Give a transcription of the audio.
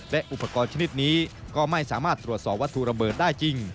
และอุปกรณ์ชนิดนี้ก็ไม่สามารถตรวจสอบวัตถุระเบิดได้จริง